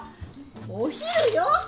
お昼よ。